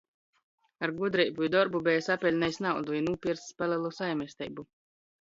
Ar gudreibu i dorbu beja sapeļnejs naudu i nūpiercs palelu saimisteibu.